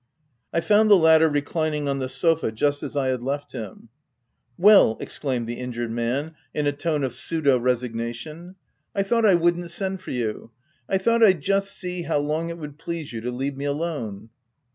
I found the latter re clining on the sofa just as I had left him. " Well !" exclaimed the injured man, in a OF WILDPELL HALL. 185 tone of pseudo resignation. " I thought I wouldn't send for you ; I thought I'd just see — how long it would please you to leave me alone."